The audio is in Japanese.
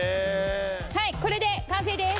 はいこれで完成です！